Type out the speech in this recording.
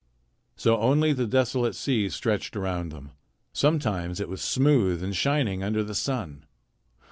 So only the desolate sea stretched around them. Sometimes it was smooth and shining under the sun.